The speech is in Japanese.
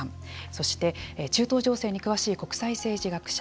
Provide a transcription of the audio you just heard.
そして中東情勢に詳しい国際政治学者